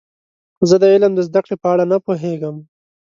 زه د علم د زده کړې په اړه نه پوهیږم.